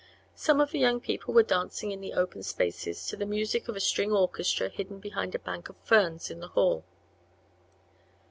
Some of the young people were dancing in the open spaces to the music of a string orchestra hidden behind a bank of ferns in the hall.